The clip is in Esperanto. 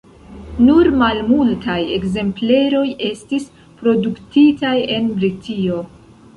Nur malmultaj ekzempleroj estis produktitaj en Britio.